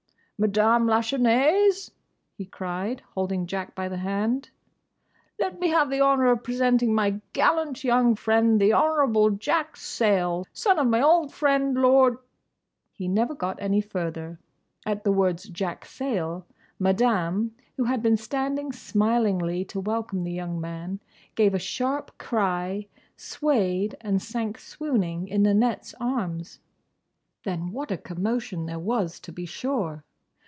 "Madame Lachesnais!" he cried, holding Jack by the hand, "Let me have the honour of presenting my gallant young friend, the Honourable Jack Sayle, son of my old friend, Lord—" He never got any further. At the words, "Jack Sayle," Madame, who had been standing smilingly to welcome the young man, gave a sharp cry, swayed, and sank swooning in Nanette's arms. Then what a commotion there was, to be sure!